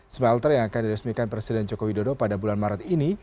smelter yang akan diresmikan presiden joko widodo pada bulan maret ini